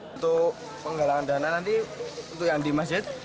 untuk penggalangan dana nanti untuk yang di masjid